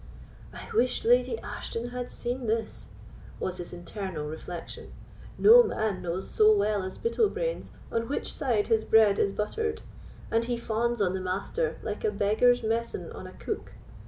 "I wish Lady Ashton had seen this," was his internal reflection; "no man knows so well as Bittlebrains on which side his bread is buttered; and he fawns on the Master like a beggar's messan on a cook.